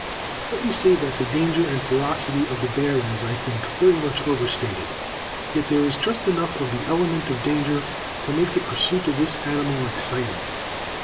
Let me say that the danger and ferocity of the bear is, I think, very much over stated, yet there is just enough of the element of danger to make the pursuit of this animal exciting.